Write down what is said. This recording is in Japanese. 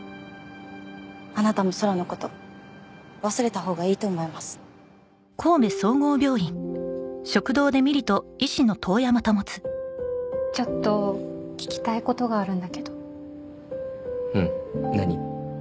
あなたも空のこと忘れたほうがいいとちょっと聞きたいことがあるんだけどうん何？